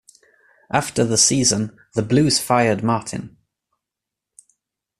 After the season, the Blues fired Martin.